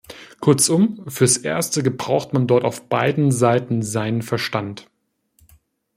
Kurzum, fürs erste gebraucht man dort auf beiden Seiten seinen Verstand.